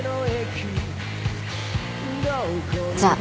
じゃあ。